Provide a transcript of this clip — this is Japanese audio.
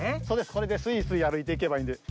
それでスイスイあるいていけばいいんです。